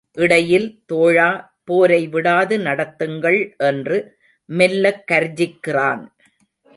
இடையில் தோழா போரை விடாது நடத்துங்கள் என்று மெல்லக் கர்ஜிக்கிறான்.